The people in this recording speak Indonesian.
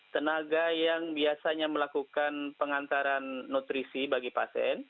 tenaga yang biasanya melakukan pengantaran nutrisi bagi pasien